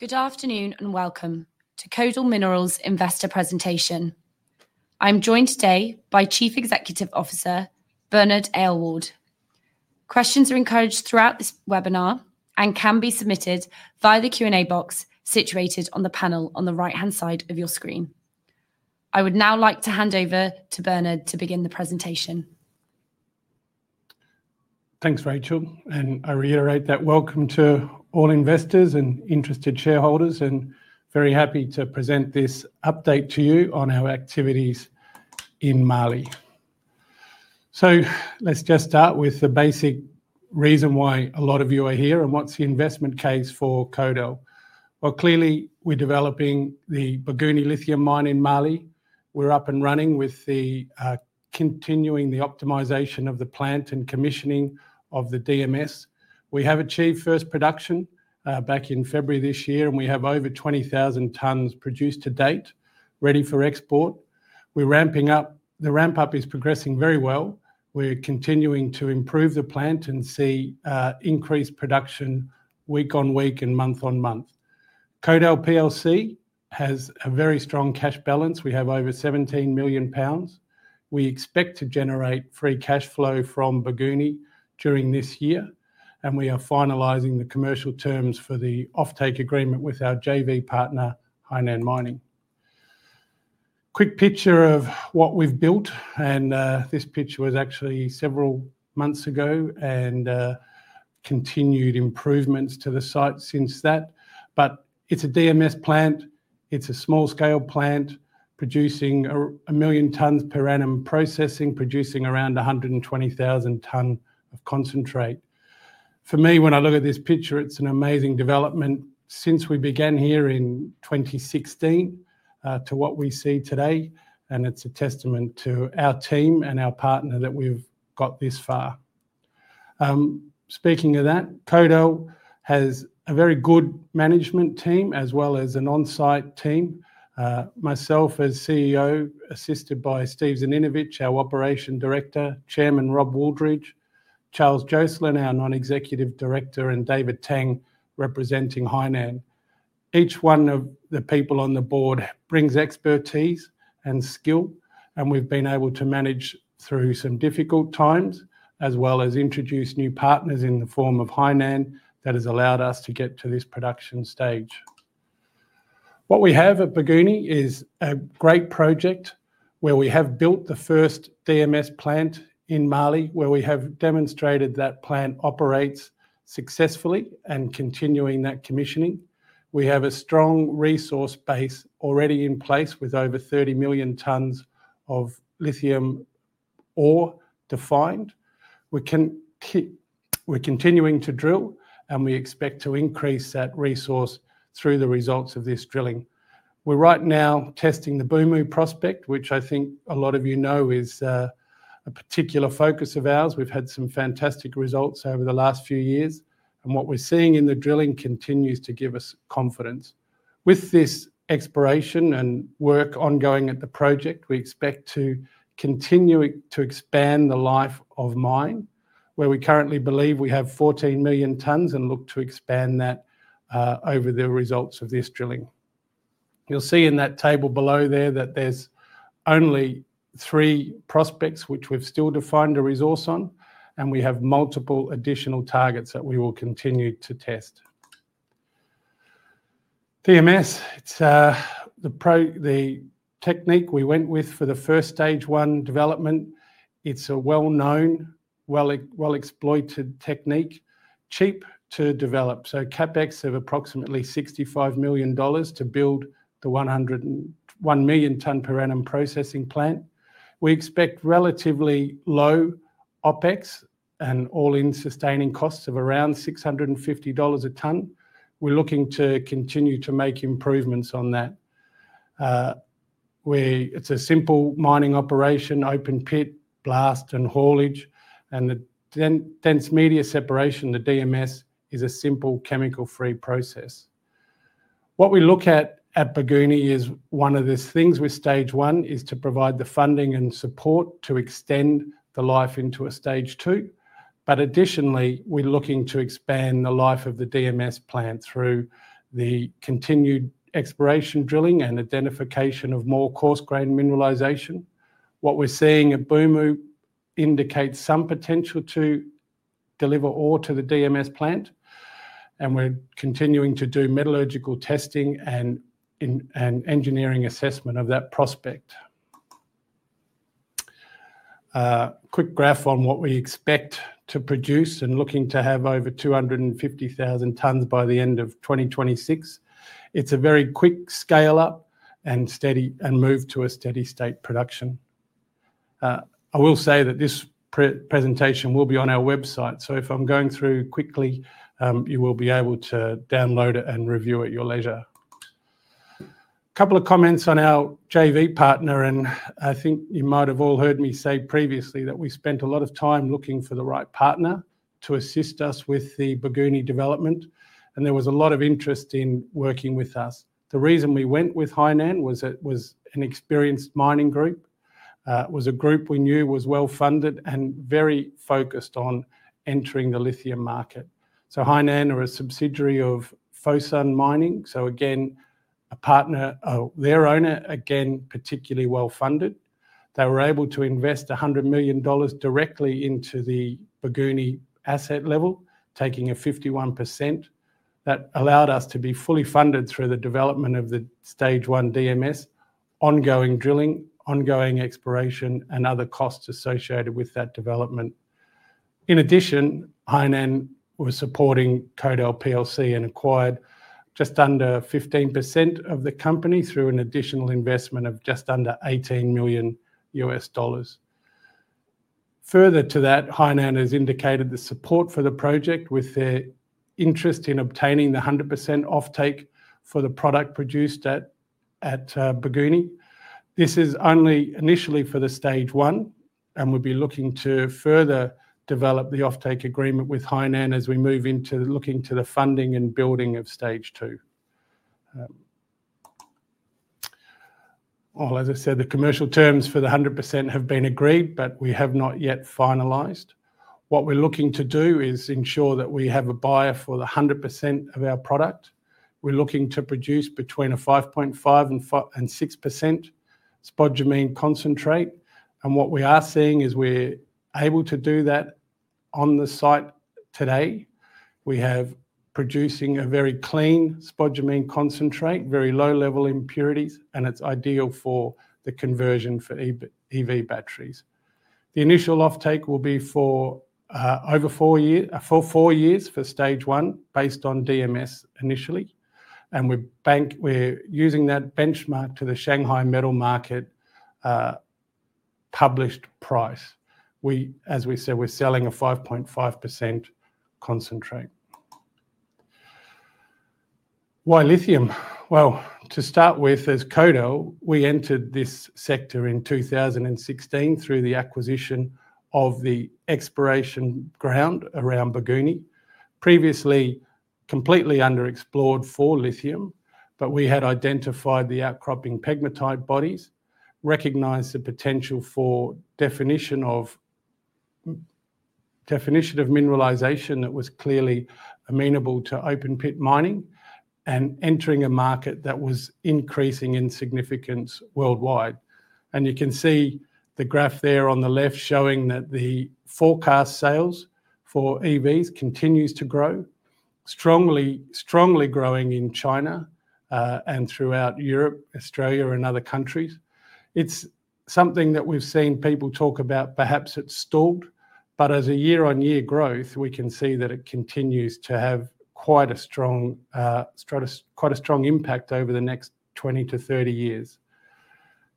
Good afternoon and welcome to Kodal Minerals' Investor Presentation. I'm joined today by Chief Executive Officer Bernard Aylward. Questions are encouraged throughout this webinar and can be submitted via the Q and A box situated on the panel on the right-hand side of your screen. I would now like to hand over to Bernard to begin the presentation. Thanks, Rachel. I reiterate that welcome to all investors and interested shareholders, and very happy to present this update to you on our activities in Mali. Let's just start with the basic reason why a lot of you are here and what's the investment case for Kodal. Clearly, we're developing the Bougouni lithium mine in Mali. We're up and running with continuing the optimization of the plant and commissioning of the DMS. We have achieved first production back in February this year, and we have over 20,000 tonnes produced to date, ready for export. The ramp-up is progressing very well. We're continuing to improve the plant and see increased production week on week and month on month. Kodal Minerals has a very strong cash balance. We have over 17 million pounds. We expect to generate free cash flow from Bougouni during this year, and we are finalizing the commercial terms for the offtake agreement with our JV partner, Hainan Mining. Quick picture of what we've built, and this picture was actually several months ago, and continued improvements to the site since that. It is a DMS plant. It is a small-scale plant producing 1 million tonnes per annum, processing producing around 120,000 tonnes of concentrate. For me, when I look at this picture, it is an amazing development since we began here in 2016 to what we see today. It is a testament to our team and our partner that we've got this far. Speaking of that, Kodal has a very good management team as well as an on-site team. Myself as CEO, assisted by Steve Zaninovich, our Operations Director, Chairman Rob Woolridge, Charles Joseland, our Non-Executive Director, and David Teng representing Hainan. Each one of the people on the board brings expertise and skill, and we've been able to manage through some difficult times as well as introduce new partners in the form of Hainan Mining that has allowed us to get to this production stage. What we have at Bougouni is a great project where we have built the first DMS plant in Mali, where we have demonstrated that plant operates successfully and continuing that commissioning. We have a strong resource base already in place with over 30 million tonnes of lithium ore defined. We're continuing to drill, and we expect to increase that resource through the results of this drilling. We're right now testing the Bumu prospect, which I think a lot of you know is a particular focus of ours. We've had some fantastic results over the last few years, and what we're seeing in the drilling continues to give us confidence. With this exploration and work ongoing at the project, we expect to continue to expand the life of mine, where we currently believe we have 14 million tonnes and look to expand that over the results of this drilling. You'll see in that table below there that there's only three prospects which we've still defined a resource on, and we have multiple additional targets that we will continue to test. DMS, it's the technique we went with for the first stage one development. It's a well-known, well-exploited technique, cheap to develop. CapEx of approximately $65 million to build the 1 million tonnes per annum processing plant. We expect relatively low OpEx and all-in sustaining costs of around $650 a tonne. We're looking to continue to make improvements on that. It's a simple mining operation, open pit, blast, and haulage, and the dense media separation, the DMS, is a simple chemical-free process. What we look at at Bougouni is one of the things with stage one is to provide the funding and support to extend the life into a stage two. Additionally, we're looking to expand the life of the DMS plant through the continued exploration, drilling, and identification of more coarse grain mineralization. What we're seeing at Bumu indicates some potential to deliver ore to the DMS plant, and we're continuing to do metallurgical testing and engineering assessment of that prospect. Quick graph on what we expect to produce and looking to have over 250,000 tonnes by the end of 2026. It's a very quick scale-up and move to a steady-state production. I will say that this presentation will be on our website, so if I'm going through quickly, you will be able to download it and review at your leisure. A couple of comments on our JV partner, and I think you might have all heard me say previously that we spent a lot of time looking for the right partner to assist us with the Bougouni development, and there was a lot of interest in working with us. The reason we went with Hainan Mining was it was an experienced mining group, was a group we knew was well-funded and very focused on entering the lithium market. Hainan Mining are a subsidiary of Fosun Mining, so again, a partner, their owner, again, particularly well-funded. They were able to invest $100 million directly into the Bougouni asset level, taking a 51%. That allowed us to be fully funded through the development of the stage one DMS, ongoing drilling, ongoing exploration, and other costs associated with that development. In addition, Hainan Mining were supporting Kodal Minerals and acquired just under 15% of the company through an additional investment of just under $18 million. Further to that, Hainan Mining has indicated the support for the project with their interest in obtaining the 100% offtake for the product produced at Bougouni. This is only initially for the stage one, and we will be looking to further develop the offtake agreement with Hainan Mining as we move into looking to the funding and building of stage two. As I said, the commercial terms for the 100% have been agreed, but we have not yet finalized. What we are looking to do is ensure that we have a buyer for the 100% of our product. We're looking to produce between a 5.5% and 6% spodumene concentrate. What we are seeing is we're able to do that on the site today. We are producing a very clean spodumene concentrate, very low-level impurities, and it's ideal for the conversion for EV batteries. The initial offtake will be for over four years for stage one based on DMS initially. We're using that benchmark to the Shanghai Metal Market published price. As we said, we're selling a 5.5% concentrate. Why lithium? To start with, as Kodal, we entered this sector in 2016 through the acquisition of the exploration ground around Bougouni. Previously, completely underexplored for lithium, but we had identified the outcropping pegmatite bodies, recognized the potential for definition of mineralization that was clearly amenable to open pit mining, and entering a market that was increasing in significance worldwide. You can see the graph there on the left showing that the forecast sales for EVs continues to grow, strongly growing in China and throughout Europe, Australia, and other countries. It is something that we have seen people talk about, perhaps it has stalled, but as a year-on-year growth, we can see that it continues to have quite a strong impact over the next 20 to 30 years.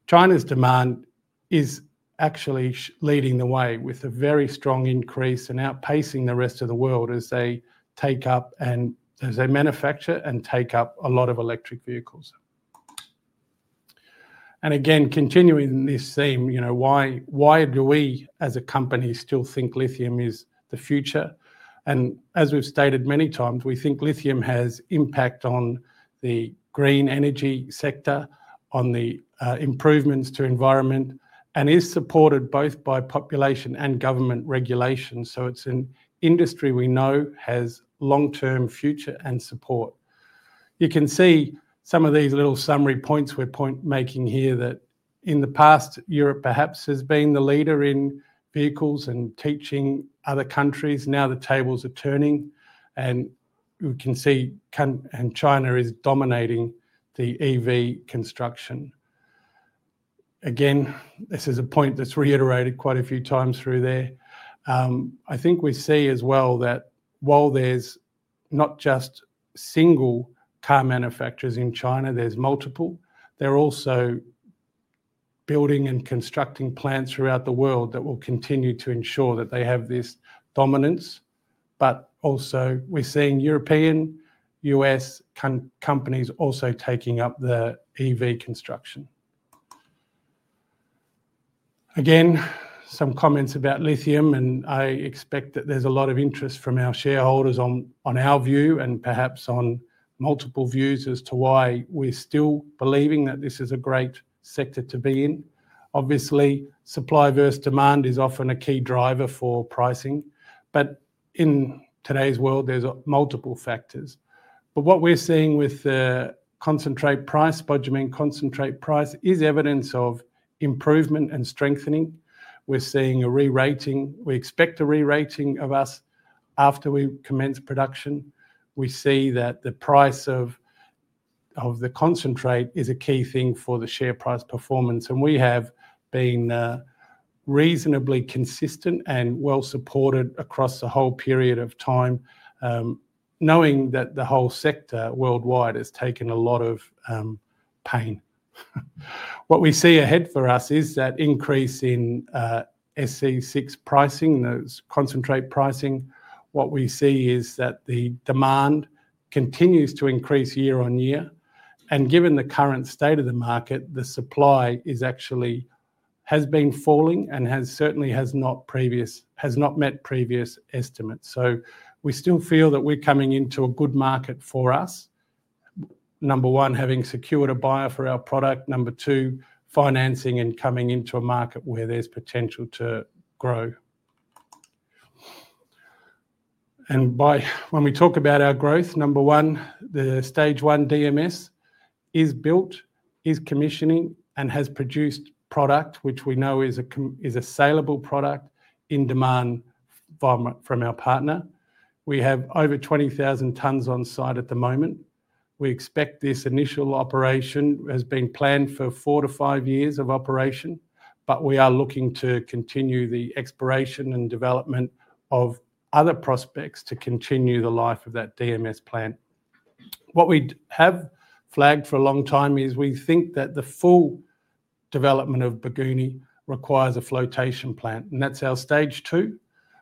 China's demand is actually leading the way with a very strong increase and outpacing the rest of the world as they take up and as they manufacture and take up a lot of electric vehicles. Again, continuing this theme, you know, why do we as a company still think lithium is the future? As we've stated many times, we think lithium has impact on the green energy sector, on the improvements to the environment, and is supported both by population and government regulation. It is an industry we know has long-term future and support. You can see some of these little summary points we're making here that in the past, Europe perhaps has been the leader in vehicles and teaching other countries. Now the tables are turning, and you can see China is dominating the EV construction. This is a point that's reiterated quite a few times through there. I think we see as well that while there's not just single car manufacturers in China, there's multiple. They're also building and constructing plants throughout the world that will continue to ensure that they have this dominance. We're also seeing European, US companies also taking up the EV construction. Again, some comments about lithium, and I expect that there's a lot of interest from our shareholders on our view and perhaps on multiple views as to why we're still believing that this is a great sector to be in. Obviously, supply versus demand is often a key driver for pricing, but in today's world, there's multiple factors. What we're seeing with the concentrate price, spodumene concentrate price, is evidence of improvement and strengthening. We're seeing a re-rating. We expect a re-rating of us after we commence production. We see that the price of the concentrate is a key thing for the share price performance, and we have been reasonably consistent and well-supported across the whole period of time, knowing that the whole sector worldwide has taken a lot of pain. What we see ahead for us is that increase in SC6 pricing, those concentrate pricing. What we see is that the demand continues to increase year on year. Given the current state of the market, the supply has been falling and certainly has not met previous estimates. We still feel that we're coming into a good market for us. Number one, having secured a buyer for our product. Number two, financing and coming into a market where there's potential to grow. When we talk about our growth, number one, the stage one DMS is built, is commissioning, and has produced product, which we know is a saleable product in demand from our partner. We have over 20,000 tonnes on site at the moment. We expect this initial operation has been planned for four to five years of operation, but we are looking to continue the exploration and development of other prospects to continue the life of that DMS plant. What we have flagged for a long time is we think that the full development of Bougouni requires a flotation plant, and that's our stage two,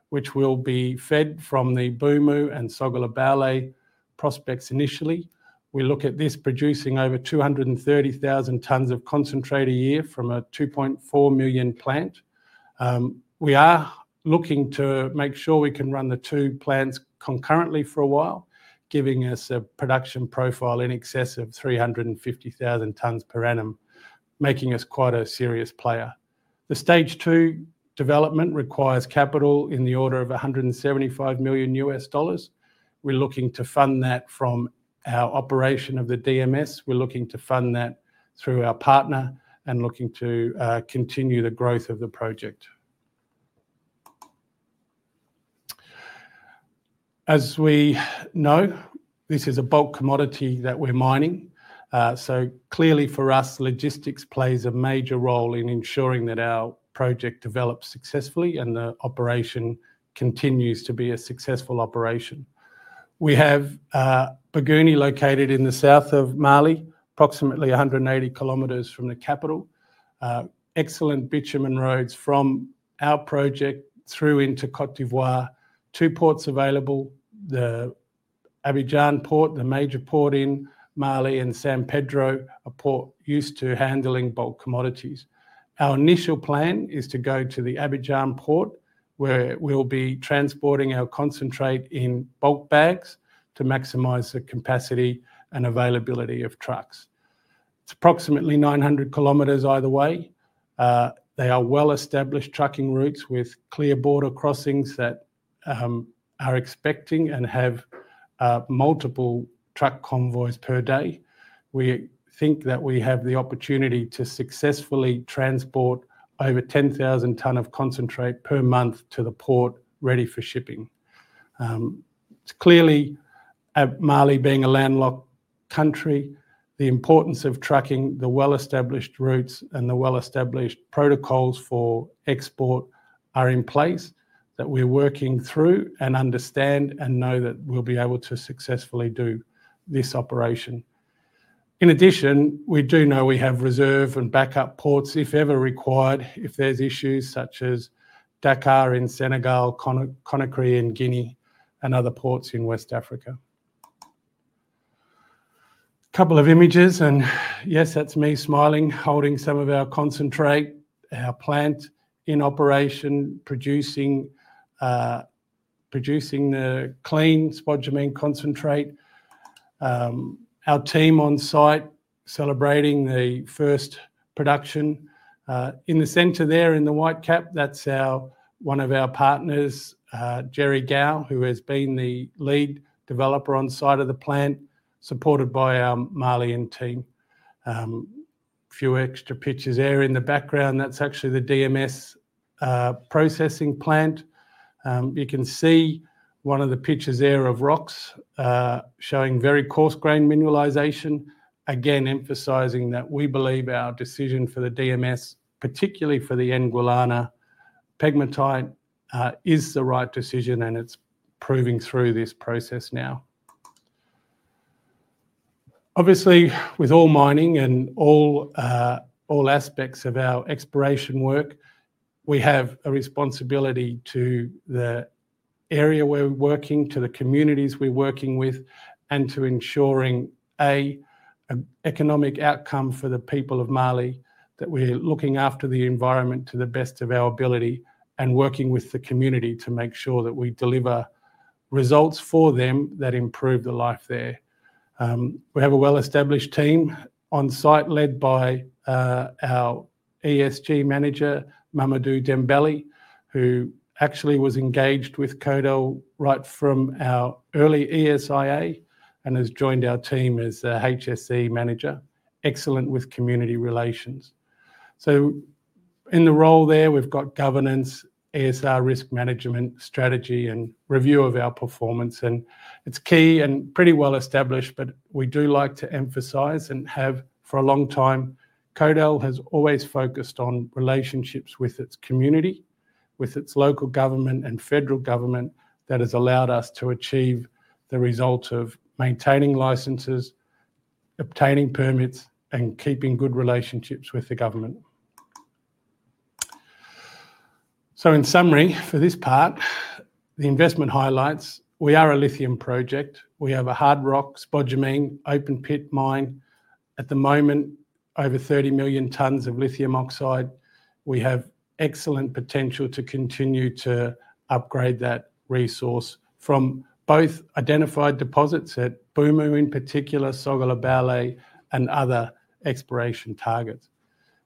which will be fed from the Bumu and Sogola-Baoulé prospects initially. We look at this producing over 230,000 tonnes of concentrate a year from a 2.4 million plant. We are looking to make sure we can run the two plants concurrently for a while, giving us a production profile in excess of 350,000 tonnes per annum, making us quite a serious player. The stage two development requires capital in the order of $175 million. We're looking to fund that from our operation of the DMS. We're looking to fund that through our partner and looking to continue the growth of the project. As we know, this is a bulk commodity that we're mining. Clearly for us, logistics plays a major role in ensuring that our project develops successfully and the operation continues to be a successful operation. We have Bougouni located in the south of Mali, approximately 180 km from the capital. Excellent bitumen roads from our project through into Côte d'Ivoire, two ports available, the Abidjan port, the major port in Mali, and San Pedro, a port used to handling bulk commodities. Our initial plan is to go to the Abidjan port, where we'll be transporting our concentrate in bulk bags to maximize the capacity and availability of trucks. It's approximately 900 km either way. They are well-established trucking routes with clear border crossings that are expecting and have multiple truck convoys per day. We think that we have the opportunity to successfully transport over 10,000 tonnes of concentrate per month to the port ready for shipping. Clearly, at Mali, being a landlocked country, the importance of trucking, the well-established routes, and the well-established protocols for export are in place that we're working through and understand and know that we'll be able to successfully do this operation. In addition, we do know we have reserve and backup ports, if ever required, if there's issues such as Dakar in Senegal, Conakry in Guinea, and other ports in West Africa. A couple of images, and yes, that's me smiling, holding some of our concentrate, our plant in operation, producing the clean spodumene concentrate. Our team on site celebrating the first production. In the centre there in the white cap, that's one of our partners, Jerry Gao, who has been the lead developer on site of the plant, supported by our Malian team. Few extra pictures there in the background. That's actually the DMS processing plant. You can see one of the pictures there of rocks showing very coarse grain mineralisation, again emphasising that we believe our decision for the DMS, particularly for the Ngualana pegmatite, is the right decision and it's proving through this process now. Obviously, with all mining and all aspects of our exploration work, we have a responsibility to the area where we're working, to the communities we're working with, and to ensuring an economic outcome for the people of Mali, that we're looking after the environment to the best of our ability and working with the community to make sure that we deliver results for them that improve the life there. We have a well-established team on site led by our ESG manager, Mamadou Dembélé, who actually was engaged with Kodal right from our early ESIA and has joined our team as the HSE manager, excellent with community relations. In the role there, we've got governance, ESG risk management, strategy, and review of our performance. It's key and pretty well established, but we do like to emphasize and have for a long time, Kodal has always focused on relationships with its community, with its local government and federal government. That has allowed us to achieve the result of maintaining licenses, obtaining permits, and keeping good relationships with the government. In summary for this part, the investment highlights, we are a lithium project. We have a hard rock spodumene open pit mine at the moment, over 30 million tonnes of lithium oxide. We have excellent potential to continue to upgrade that resource from both identified deposits at Bumu in particular, Sogola-Baoulé, and other exploration targets.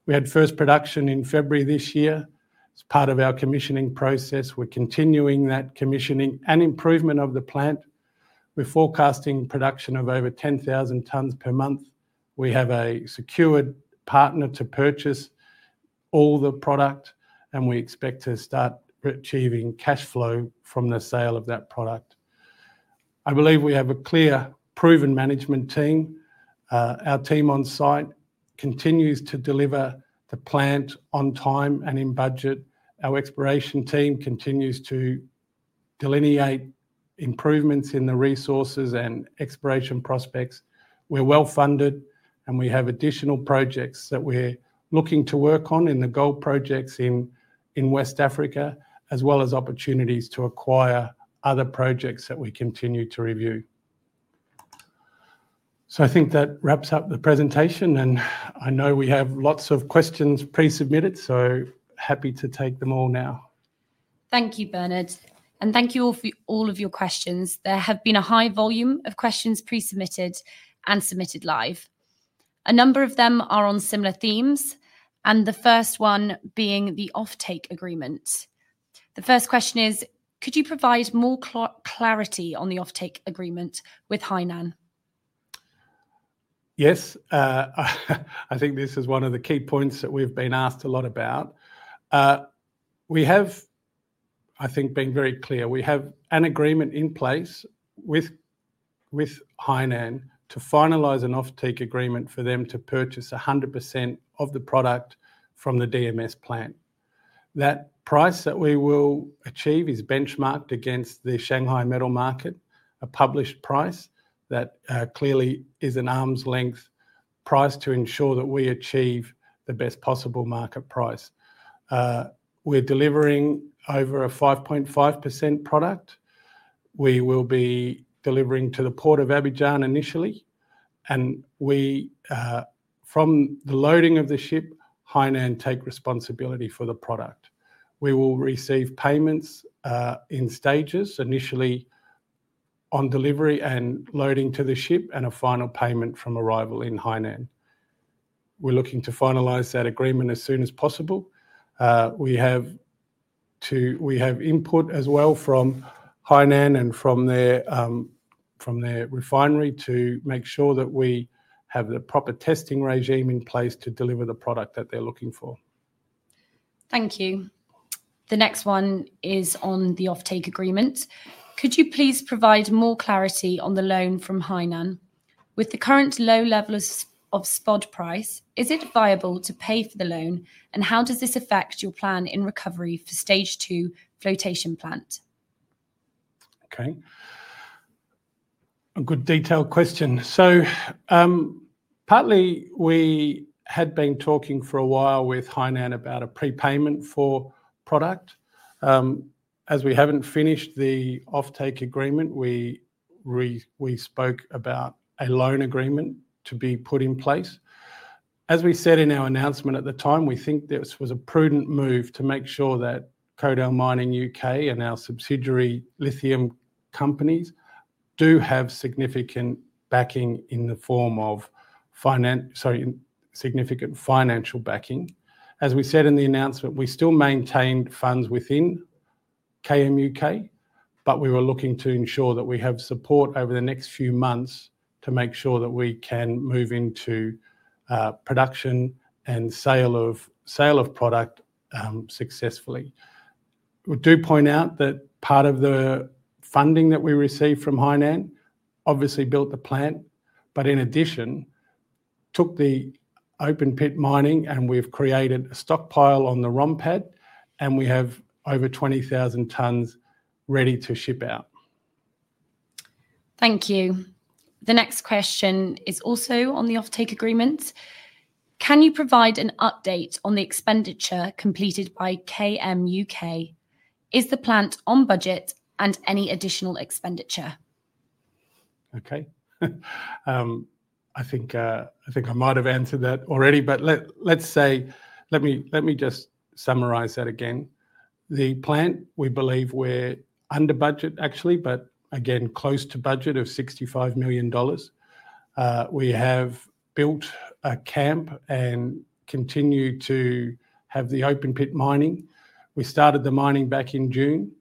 We had first production in February this year. It's part of our commissioning process. We're continuing that commissioning and improvement of the plant. We're forecasting production of over 10,000 tonnes per month. We have a secured partner to purchase all the product, and we expect to start achieving cash flow from the sale of that product. I believe we have a clear, proven management team. Our team on site continues to deliver the plant on time and in budget. Our exploration team continues to delineate improvements in the resources and exploration prospects. We're well funded, and we have additional projects that we're looking to work on in the gold projects in West Africa, as well as opportunities to acquire other projects that we continue to review. I think that wraps up the presentation, and I know we have lots of questions pre-submitted, so happy to take them all now. Thank you, Bernard. Thank you all for all of your questions. There have been a high volume of questions pre-submitted and submitted live. A number of them are on similar themes, and the first one being the offtake agreement. The first question is, could you provide more clarity on the offtake agreement with Hainan? Yes, I think this is one of the key points that we've been asked a lot about. We have, I think, been very clear. We have an agreement in place with Hainan to finalize an offtake agreement for them to purchase 100% of the product from the DMS plant. That price that we will achieve is benchmarked against the Shanghai Metal Market, a published price that clearly is an arm's length price to ensure that we achieve the best possible market price. We're delivering over a 5.5% product. We will be delivering to the port of Abidjan initially, and from the loading of the ship, Hainan takes responsibility for the product. We will receive payments in stages, initially on delivery and loading to the ship, and a final payment from arrival in Hainan. We're looking to finalize that agreement as soon as possible. We have input as well from Hainan and from their refinery to make sure that we have the proper testing regime in place to deliver the product that they're looking for. Thank you. The next one is on the offtake agreement. Could you please provide more clarity on the loan from Hainan? With the current low level of spod price, is it viable to pay for the loan, and how does this affect your plan in recovery for stage two flotation plant? Okay. A good detailed question. Partly we had been talking for a while with Hainan about a prepayment for product. As we have not finished the offtake agreement, we spoke about a loan agreement to be put in place. As we said in our announcement at the time, we think this was a prudent move to make sure that Kodal Mining U.K. and our subsidiary lithium companies do have significant financial backing. As we said in the announcement, we still maintained funds within KMUK, but we were looking to ensure that we have support over the next few months to make sure that we can move into production and sale of product successfully. We do point out that part of the funding that we received from Hainan obviously built the plant, but in addition, took the open pit mining, and we have created a stockpile on the ROM pad, and we have over 20,000 tonnes ready to ship out. Thank you. The next question is also on the offtake agreement. Can you provide an update on the expenditure completed by KMUK? Is the plant on budget and any additional expenditure? Okay. I think I might have answered that already, but let me just summarize that again. The plant, we believe we are under budget, actually, but again, close to budget of $65 million. We have built a camp and continue to have the open pit mining. We started the mining back in June.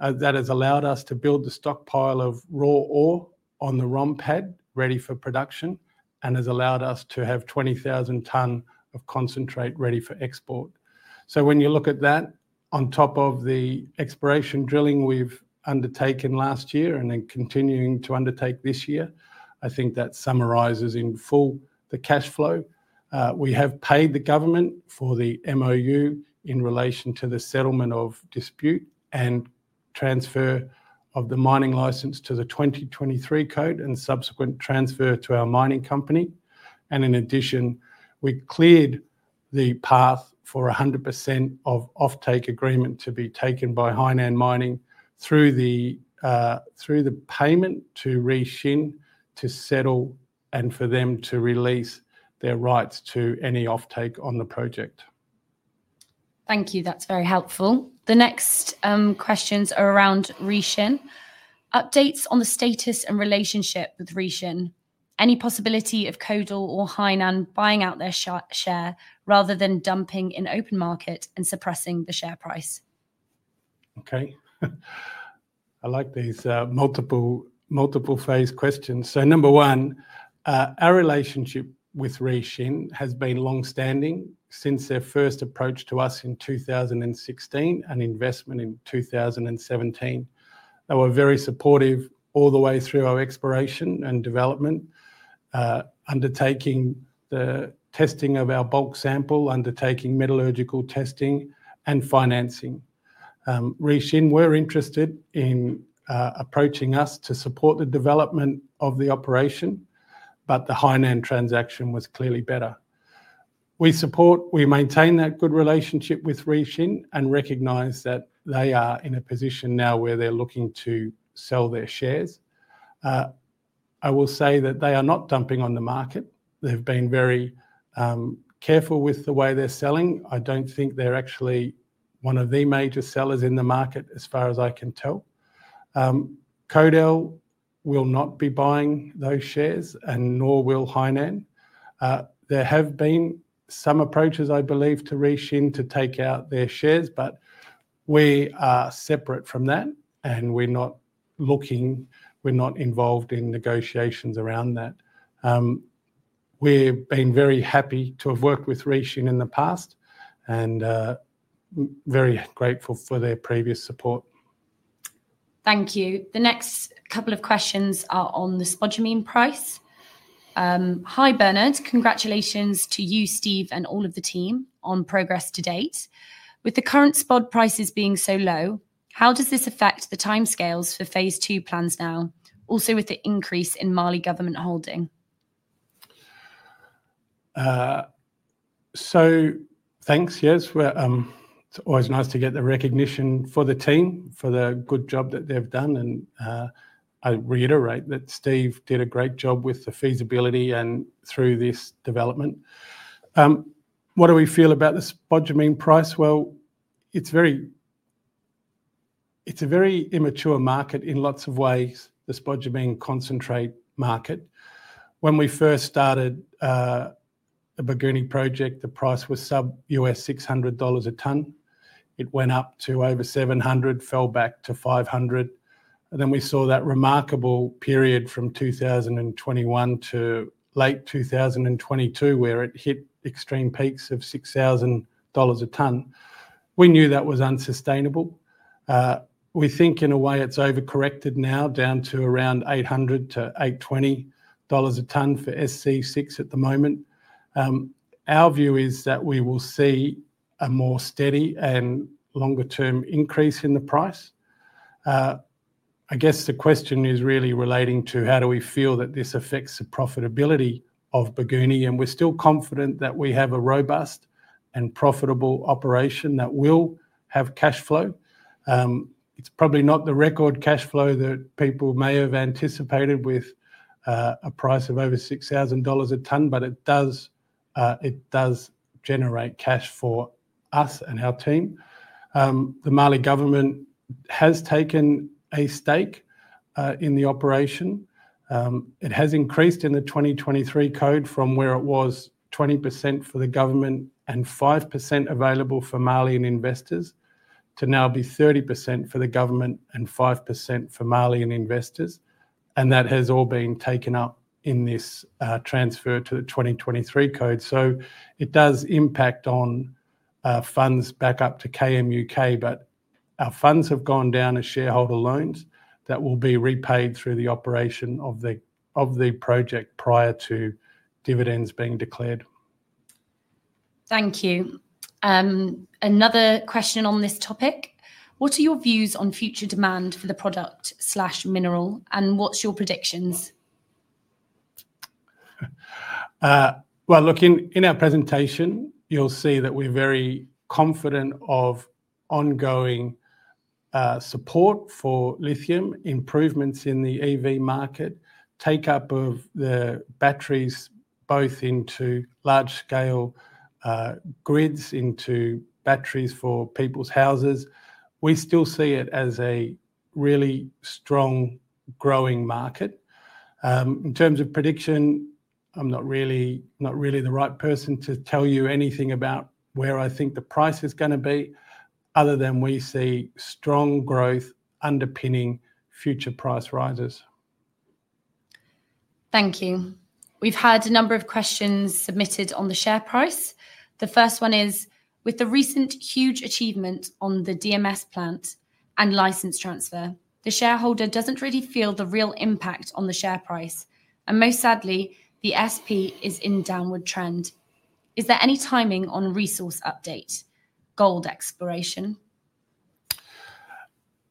That has allowed us to build the stockpile of raw ore on the ROM pad, ready for production, and has allowed us to have 20,000 tonnes of concentrate ready for export. When you look at that, on top of the exploration drilling we have undertaken last year and then continuing to undertake this year, I think that summarizes in full the cash flow. We have paid the government for the MoU in relation to the settlement of dispute and transfer of the mining license to the 2023 code and subsequent transfer to our mining company. In addition, we cleared the path for 100% of offtake agreement to be taken by Hainan Mining through the payment to Ganfeng Lithium to settle and for them to release their rights to any offtake on the project. Thank you. That is very helpful. The next questions are around Ganfeng Lithium. Updates on the status and relationship with Ganfeng Lithium. Any possibility of Kodal or Hainan Mining buying out their share rather than dumping in open market and suppressing the share price? Okay. I like these multiple phased questions. So number one, our relationship with Ganfeng Lithium has been long-standing since their first approach to us in 2016 and investment in 2017. They were very supportive all the way through our exploration and development, undertaking the testing of our bulk sample, undertaking metallurgical testing and financing. Ganfeng Lithium were interested in approaching us to support the development of the operation, but the Hainan Mining transaction was clearly better. We support, we maintain that good relationship with Ganfeng Lithium and recognize that they are in a position now where they're looking to sell their shares. I will say that they are not dumping on the market. They've been very careful with the way they're selling. I do not think they are actually one of the major sellers in the market as far as I can tell. Kodal will not be buying those shares, and nor will Hainan. There have been some approaches, I believe, to Ganfeng to take out their shares, but we are separate from that, and we are not looking, we are not involved in negotiations around that. We have been very happy to have worked with Ganfeng in the past and very grateful for their previous support. Thank you. The next couple of questions are on the spodumene price. Hi, Bernard. Congratulations to you, Steve, and all of the team on progress to date. With the current spod prices being so low, how does this affect the timescales for phase two plans now, also with the increase in Mali government holding? So thanks, yes. It's always nice to get recognition for the team, for the good job that they've done. I reiterate that Steve did a great job with the feasibility and through this development. What do we feel about the spodumene price? It is a very immature market in lots of ways, the spodumene concentrate market. When we first started the Bougouni project, the price was sub-$600 a tonne. It went up to over $700, fell back to $500. We saw that remarkable period from 2021 to late 2022 where it hit extreme peaks of $6,000 a tonne. We knew that was unsustainable. We think in a way it has overcorrected now down to around $800 to $820 a tonne for SC6 at the moment. Our view is that we will see a more steady and longer-term increase in the price. I guess the question is really relating to how do we feel that this affects the profitability of Bougouni, and we're still confident that we have a robust and profitable operation that will have cash flow. It's probably not the record cash flow that people may have anticipated with a price of over $6,000 a tonne, but it does generate cash for us and our team. The Mali government has taken a stake in the operation. It has increased in the 2023 code from where it was 20% for the government and 5% available for Mali and investors to now be 30% for the government and 5% for Mali and investors. That has all been taken up in this transfer to the 2023 code. It does impact on funds back up to KMUK, but our funds have gone down as shareholder loans that will be repaid through the operation of the project prior to dividends being declared. Thank you. Another question on this topic. What are your views on future demand for the product/mineral, and what's your predictions? In our presentation, you'll see that we're very confident of ongoing support for lithium, improvements in the EV market, take up of the batteries both into large-scale grids, into batteries for people's houses. We still see it as a really strong growing market. In terms of prediction, I'm not really the right person to tell you anything about where I think the price is going to be other than we see strong growth underpinning future price rises. Thank you. We've had a number of questions submitted on the share price. The first one is, with the recent huge achievement on the DMS plant and license transfer, the shareholder doesn't really feel the real impact on the share price. Most sadly, the SP is in downward trend. Is there any timing on resource update, gold exploration?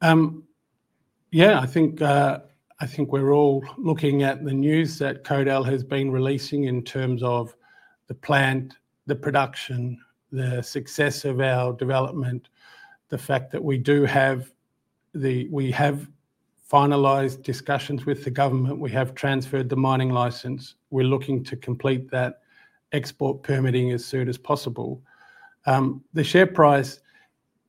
Yeah, I think we're all looking at the news that Kodal has been releasing in terms of the plant, the production, the success of our development, the fact that we have finalized discussions with the government, we have transferred the mining license, we're looking to complete that export permitting as soon as possible. The share price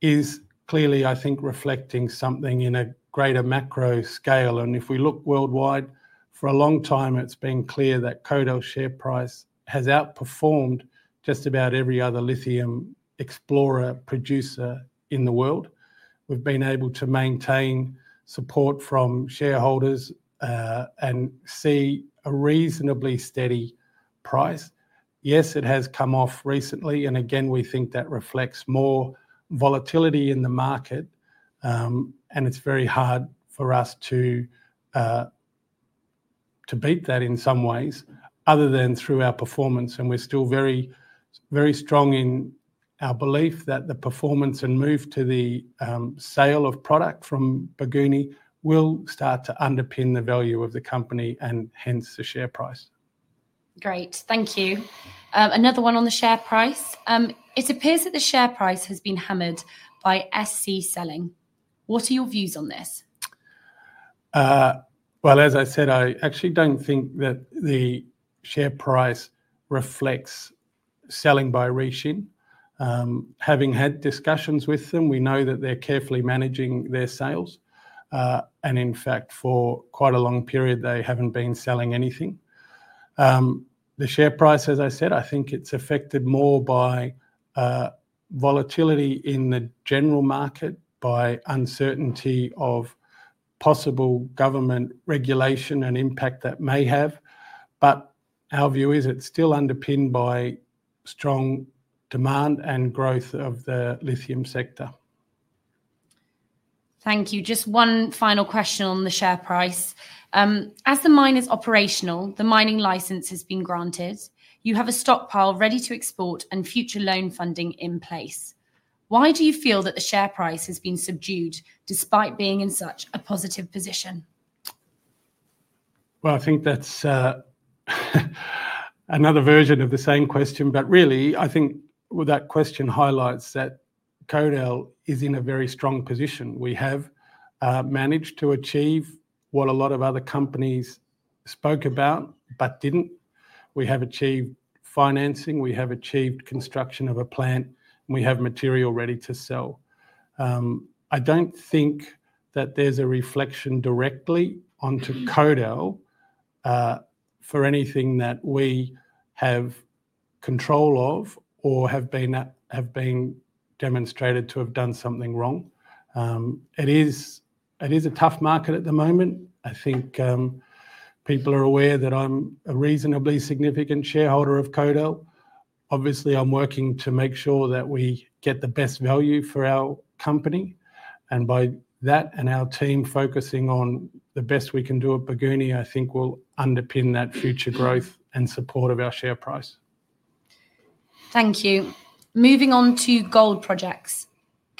is clearly, I think, reflecting something in a greater macro scale. If we look worldwide, for a long time, it's been clear that Kodal's share price has outperformed just about every other lithium explorer producer in the world. We've been able to maintain support from shareholders and see a reasonably steady price. Yes, it has come off recently, and again, we think that reflects more volatility in the market, and it's very hard for us to beat that in some ways other than through our performance. We're still very strong in our belief that the performance and move to the sale of product from Bougouni will start to underpin the value of the company and hence the share price. Great. Thank you. Another one on the share price. It appears that the share price has been hammered by SC selling. What are your views on this? I actually don't think that the share price reflects selling by Ganfeng Lithium. Having had discussions with them, we know that they're carefully managing their sales. In fact, for quite a long period, they have not been selling anything. The share price, as I said, I think is affected more by volatility in the general market, by uncertainty of possible government regulation and the impact that may have. Our view is it is still underpinned by strong demand and growth of the lithium sector. Thank you. Just one final question on the share price. As the mine is operational, the mining license has been granted, you have a stockpile ready to export and future loan funding in place. Why do you feel that the share price has been subdued despite being in such a positive position? I think that is another version of the same question, but really, I think that question highlights that Kodal is in a very strong position. We have managed to achieve what a lot of other companies spoke about but did not. We have achieved financing, we have achieved construction of a plant, and we have material ready to sell. I do not think that there is a reflection directly onto Kodal for anything that we have control of or have been demonstrated to have done something wrong. It is a tough market at the moment. I think people are aware that I am a reasonably significant shareholder of Kodal. Obviously, I am working to make sure that we get the best value for our company. By that and our team focusing on the best we can do at Bougouni, I think we will underpin that future growth and support of our share price. Thank you. Moving on to gold projects.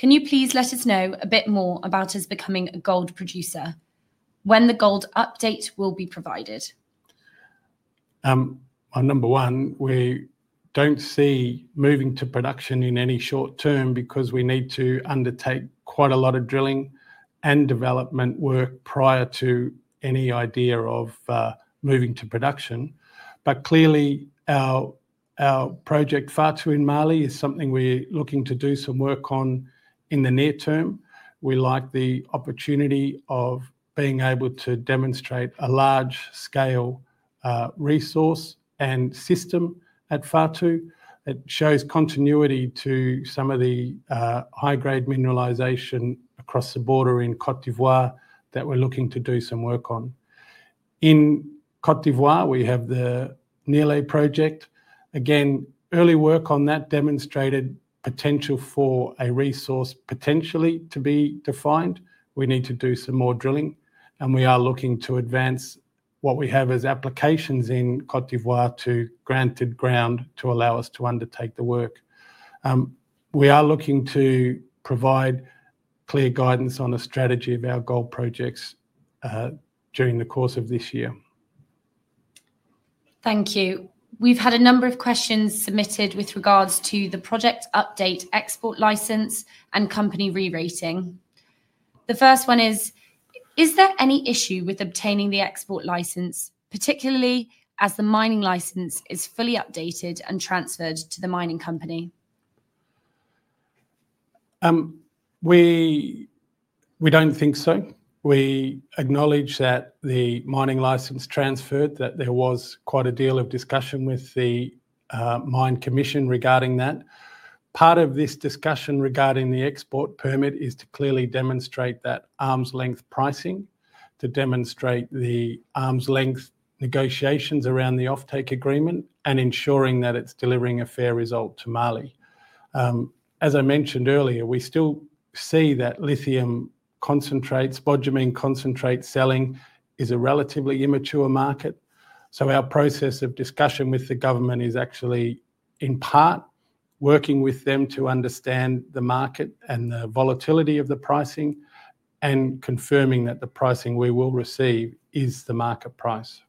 Can you please let us know a bit more about us becoming a gold producer when the gold update will be provided? Number one, we do not see moving to production in any short term because we need to undertake quite a lot of drilling and development work prior to any idea of moving to production. Clearly, our project Fatou in Mali is something we are looking to do some work on in the near term. We like the opportunity of being able to demonstrate a large-scale resource and system at Fatou. It shows continuity to some of the high-grade mineralization across the border in Côte d'Ivoire that we are looking to do some work on. In Côte d'Ivoire, we have the Nielle project. Again, early work on that demonstrated potential for a resource potentially to be defined. We need to do some more drilling, and we are looking to advance what we have as applications in Côte d'Ivoire to granted ground to allow us to undertake the work. We are looking to provide clear guidance on the strategy of our gold projects during the course of this year. Thank you. We've had a number of questions submitted with regards to the project update, export license, and company re-rating. The first one is, is there any issue with obtaining the export license, particularly as the mining license is fully updated and transferred to the mining company? We do not think so. We acknowledge that the mining license transferred, that there was quite a deal of discussion with the mine commission regarding that. Part of this discussion regarding the export permit is to clearly demonstrate that arm's-length pricing, to demonstrate the arm's-length negotiations around the offtake agreement, and ensuring that it is delivering a fair result to Mali. As I mentioned earlier, we still see that lithium concentrate, spodumene concentrate selling is a relatively immature market. Our process of discussion with the government is actually in part working with them to understand the market and the volatility of the pricing and confirming that the pricing we will receive is the market price.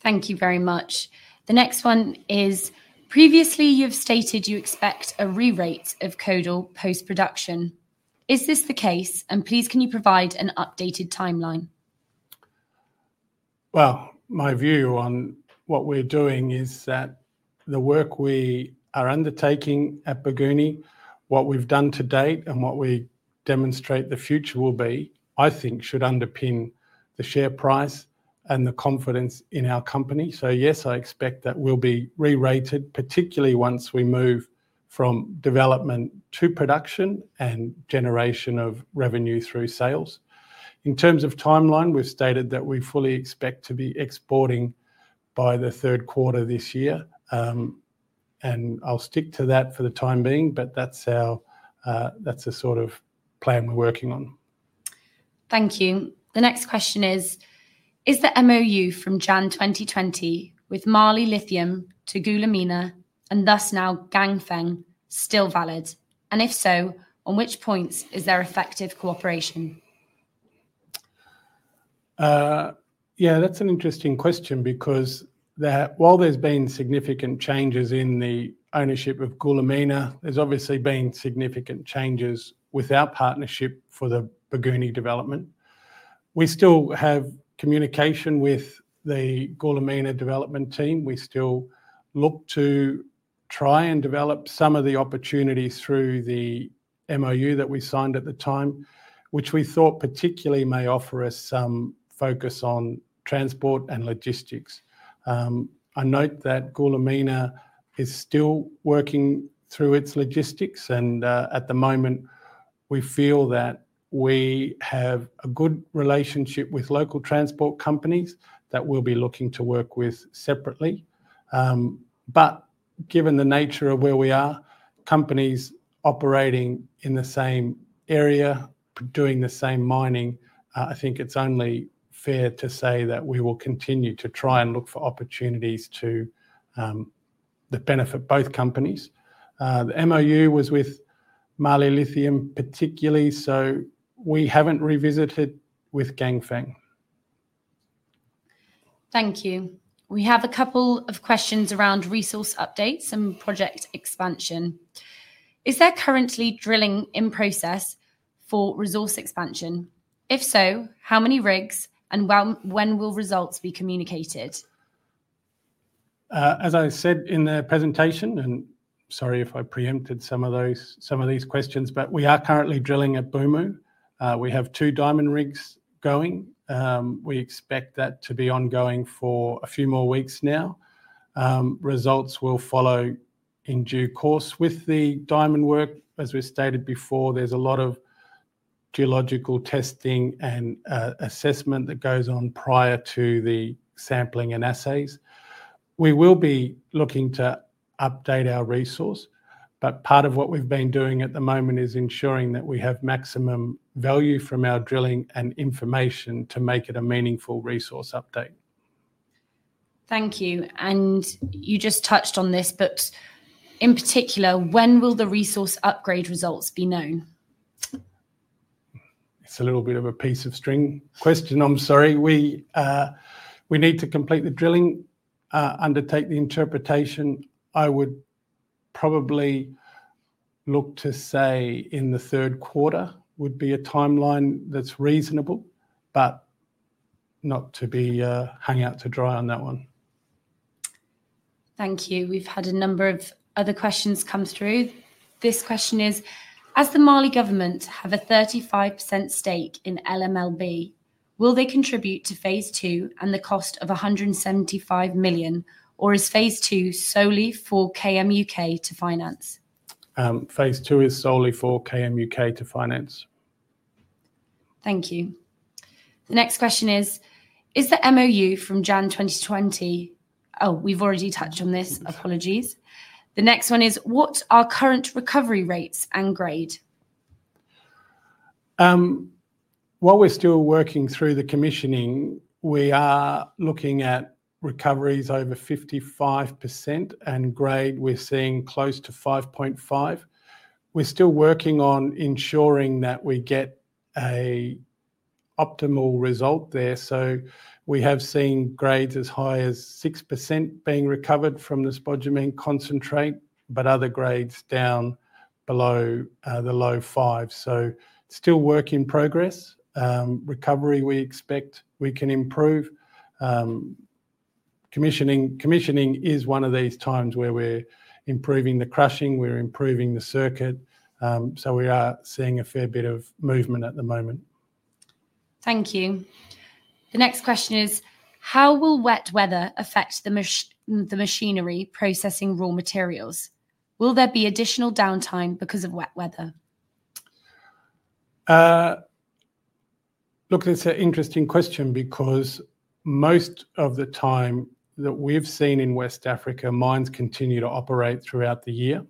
Thank you very much. The next one is, previously you have stated you expect a re-rate of Kodal post-production. Is this the case? Please, can you provide an updated timeline? My view on what we are doing is that the work we are undertaking at Bougouni, what we have done to date and what we demonstrate the future will be, I think should underpin the share price and the confidence in our company. Yes, I expect that we will be re-rated, particularly once we move from development to production and generation of revenue through sales. In terms of timeline, we have stated that we fully expect to be exporting by the third quarter this year. I'll stick to that for the time being, but that's a sort of plan we're working on. Thank you. The next question is, is the MoU from January 2020 with Mali Lithium to Goulamina and thus now Ganfeng Lithium still valid? If so, on which points is there effective cooperation? Yeah, that's an interesting question because while there's been significant changes in the ownership of Goulamina, there's obviously been significant changes with our partnership for the Bougouni development. We still have communication with the Goulamina development team. We still look to try and develop some of the opportunities through the MoU that we signed at the time, which we thought particularly may offer us some focus on transport and logistics. I note that Goulamina is still working through its logistics, and at the moment, we feel that we have a good relationship with local transport companies that we'll be looking to work with separately. Given the nature of where we are, companies operating in the same area, doing the same mining, I think it's only fair to say that we will continue to try and look for opportunities to benefit both companies. The MoU was with Mali Lithium particularly, so we haven't revisited with Ganfeng Lithium. Thank you. We have a couple of questions around resource updates and project expansion. Is there currently drilling in process for resource expansion? If so, how many rigs and when will results be communicated? As I said in the presentation, and sorry if I preempted some of these questions, we are currently drilling at Bumu. We have two diamond rigs going. We expect that to be ongoing for a few more weeks now. Results will follow in due course with the diamond work. As we stated before, there is a lot of geological testing and assessment that goes on prior to the sampling and assays. We will be looking to update our resource, but part of what we have been doing at the moment is ensuring that we have maximum value from our drilling and information to make it a meaningful resource update. Thank you. You just touched on this, but in particular, when will the resource upgrade results be known? It is a little bit of a piece of string question, I am sorry. We need to complete the drilling, undertake the interpretation. I would probably look to say in the third quarter would be a timeline that is reasonable, but not to be hung out to dry on that one. Thank you. We've had a number of other questions come through. This question is, as the Mali government have a 35% stake in LMLB, will they contribute to phase two and the cost of $175 million, or is phase two solely for KMUK to finance? Phase two is solely for KMUK to finance. Thank you. The next question is, is the MoU from January 2020? Oh, we've already touched on this. Apologies. The next one is, what are current recovery rates and grade? While we're still working through the commissioning, we are looking at recoveries over 55%, and grade we're seeing close to 5.5. We're still working on ensuring that we get an optimal result there. We have seen grades as high as 6% being recovered from the spodumene concentrate, but other grades down below the low five. Still work in progress. Recovery we expect we can improve. Commissioning is one of these times where we're improving the crushing, we're improving the circuit. We are seeing a fair bit of movement at the moment. Thank you. The next question is, how will wet weather affect the machinery processing raw materials? Will there be additional downtime because of wet weather? Look, it's an interesting question because most of the time that we've seen in West Africa, mines continue to operate throughout the year.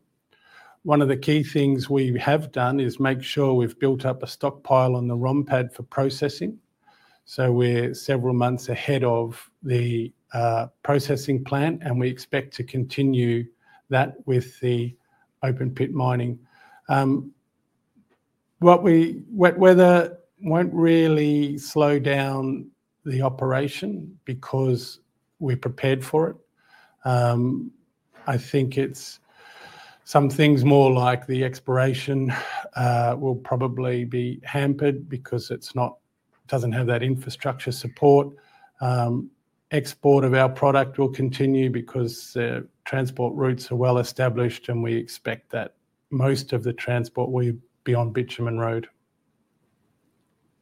One of the key things we have done is make sure we've built up a stockpile on the ROM pad for processing. We are several months ahead of the processing plant, and we expect to continue that with the open-pit mining. Wet weather won't really slow down the operation because we're prepared for it. I think some things more like the exploration will probably be hampered because it doesn't have that infrastructure support. Export of our product will continue because the transport routes are well established, and we expect that most of the transport will be on bitumen road.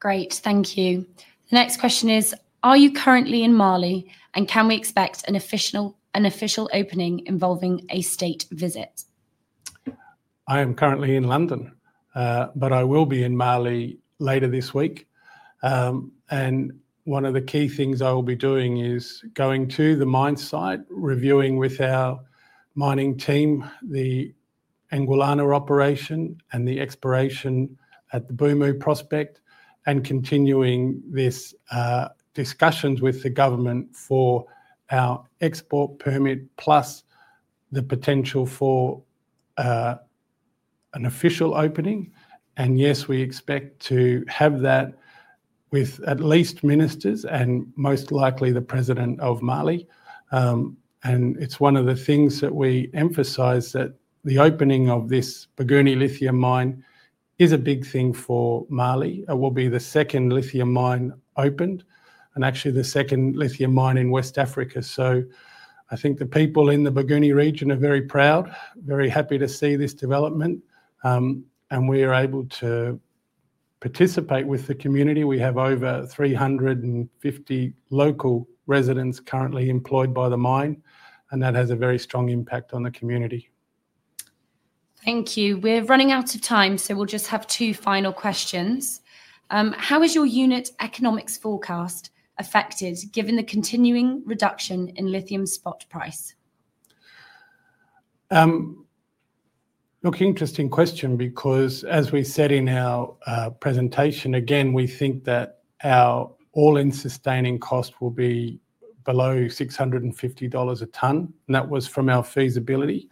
Great. Thank you. The next question is, are you currently in Mali, and can we expect an official opening involving a state visit? I am currently in London, but I will be in Mali later this week. One of the key things I will be doing is going to the mine site, reviewing with our mining team the Bougouni operation and the exploration at the Bumu prospect, and continuing these discussions with the government for our export permit, plus the potential for an official opening. Yes, we expect to have that with at least ministers and most likely the president of Mali. It is one of the things that we emphasize that the opening of this Bougouni lithium mine is a big thing for Mali. It will be the second lithium mine opened, and actually the second lithium mine in West Africa. I think the people in the Bougouni region are very proud, very happy to see this development, and we are able to participate with the community. We have over 350 local residents currently employed by the mine, and that has a very strong impact on the community. Thank you. We're running out of time, so we'll just have two final questions. How is your unit economics forecast affected given the continuing reduction in lithium spot price? Look, interesting question because as we said in our presentation, again, we think that our all-in sustaining cost will be below $650 a tonne, and that was from our feasibility.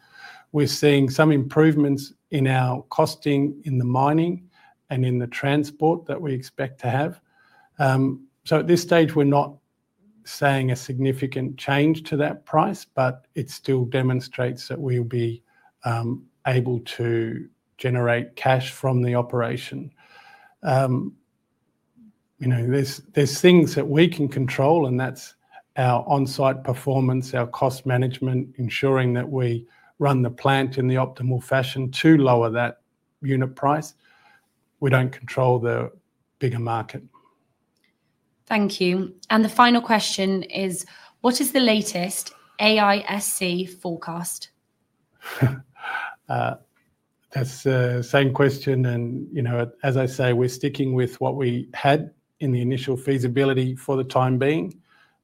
We're seeing some improvements in our costing in the mining and in the transport that we expect to have. At this stage, we're not saying a significant change to that price, but it still demonstrates that we'll be able to generate cash from the operation. There are things that we can control, and that's our on-site performance, our cost management, ensuring that we run the plant in the optimal fashion to lower that unit price. We do not control the bigger market. Thank you. The final question is, what is the latest AISC forecast? That's the same question. As I say, we're sticking with what we had in the initial feasibility for the time being.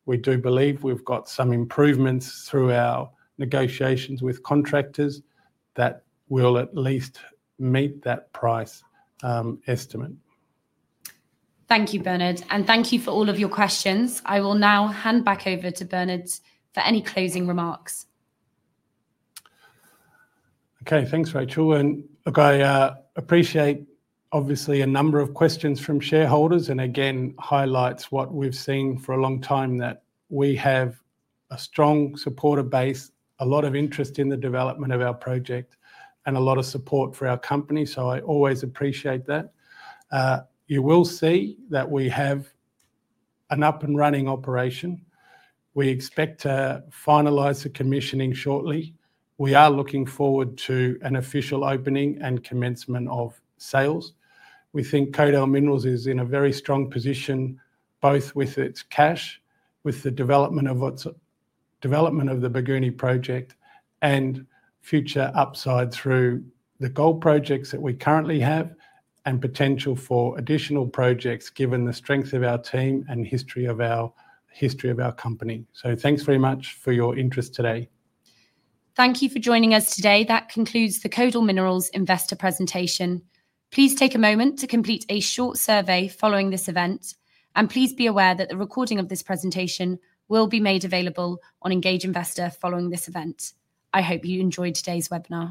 We do believe we've got some improvements through our negotiations with contractors that will at least meet that price estimate. Thank you, Bernard. Thank you for all of your questions. I will now hand back over to Bernard for any closing remarks. Okay, thanks, Rachel. I appreciate obviously a number of questions from shareholders and again highlights what we have seen for a long time, that we have a strong supporter base, a lot of interest in the development of our project, and a lot of support for our company. I always appreciate that. You will see that we have an up-and-running operation. We expect to finalize the commissioning shortly. We are looking forward to an official opening and commencement of sales. We think Kodal Minerals is in a very strong position, both with its cash, with the development of the Bougouni project, and future upside through the gold projects that we currently have and potential for additional projects given the strength of our team and history of our company. Thanks very much for your interest today. Thank you for joining us today. That concludes the Kodal Minerals Investor presentation. Please take a moment to complete a short survey following this event. Please be aware that the recording of this presentation will be made available on Engage Investor following this event. I hope you enjoyed today's webinar.